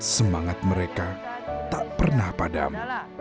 semangat mereka tak pernah padam